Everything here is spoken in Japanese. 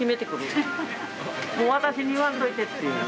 もう私に言わんといてっていう。